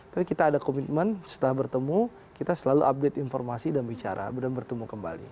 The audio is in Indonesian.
tapi kita ada komitmen setelah bertemu kita selalu update informasi dan bicara dan bertemu kembali